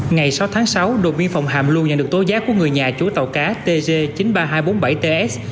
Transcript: ngày sáu tháng sáu đồn biên phòng hàm luôn nhận được tố giác của người nhà chủ tàu cá tg chín mươi ba nghìn hai trăm bốn mươi bảy ts